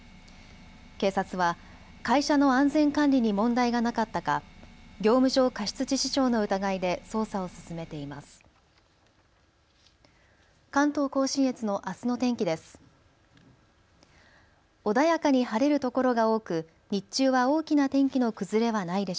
警察は会社の安全管理に問題がなかったか業務上過失致死傷の疑いで捜査を進めています。